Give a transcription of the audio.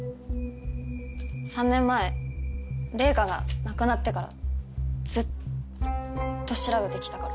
３年前玲香が亡くなってからずっと調べてきたから。